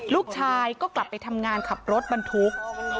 ลูกชายก็กลับไปทำงานขับรถบรรทุก